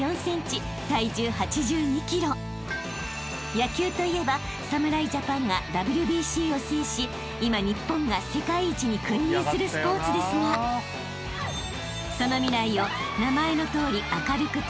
［野球といえば侍ジャパンがＷＢＣを制し今日本が世界一に君臨するスポーツですがその未来を名前のとおり明るく照らすのが太陽君］